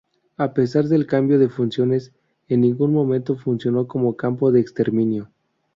A pesar del cambio de funciones, en ningún momento funcionó como campo de exterminio.